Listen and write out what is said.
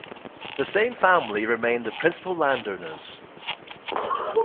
The same family remain the principal landowners.